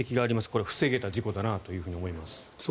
これ、防げた事故だなと思います。